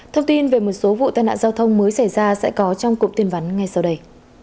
thông tin về một số vụ tai nạn giao thông mới xảy ra sẽ có trong cụm tin vắn ngay sau đây